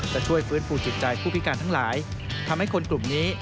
จะช่วยฟื้นฟูจิตใจผู้พิการทั้งหลายทำให้คนกลุ่มนี้